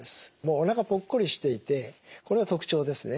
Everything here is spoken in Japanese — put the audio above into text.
おなかぽっこりしていてこれが特徴ですね。